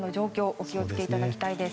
お気を付けいただきたいです。